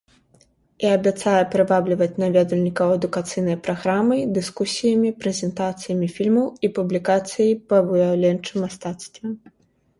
І абяцае прывабліваць наведвальнікаў адукацыйнай праграмай, дыскусіямі, прэзентацыямі фільмаў і публікацый па выяўленчым мастацтве.